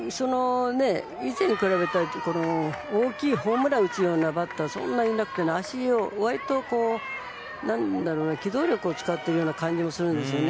以前に比べたら大きいホームランにするようなバッターはそんなにいなくて割と、機動力を使ってくる感じもするんですよね。